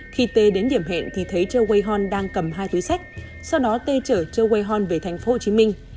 khi tê đến điểm hẹn thì thấy choe wei hon đang cầm hai túi sách sau đó tê chở choe wei hon về thành phố hồ chí minh